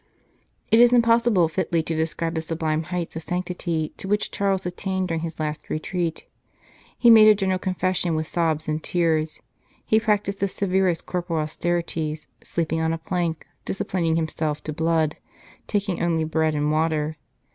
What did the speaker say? It is impossible fitly to describe the sublime heights of sanctity to which Charles attained during his last retreat. He made a general con fession with sobs and tears ; he practised the severest corporal austerities, sleeping on a plank, disciplining himself to blood, taking only bread and water.